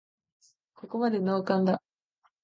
ここまでノーカンだ